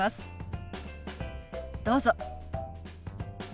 どうぞ。